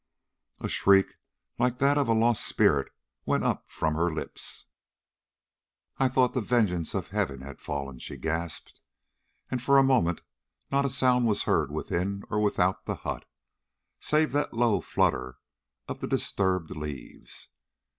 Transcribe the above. A shriek like that of a lost spirit went up from her lips. "I thought the vengeance of heaven had fallen!" she gasped. And for a moment not a sound was heard within or without the hut, save that low flutter of the disturbed leaves.